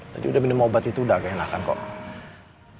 tadi udah minum obat itu udah gak enakan kok